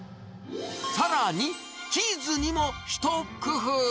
さらに、チーズにも一工夫。